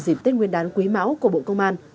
dịp tết nguyên đán quý máu của bộ công an